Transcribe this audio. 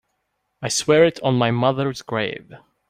I swear it on my mother's grave.